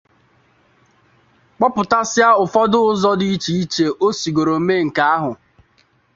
kpọpụtasịa ụfọdụ ụzọ dị iche iche o sigòrò mee nke ahụ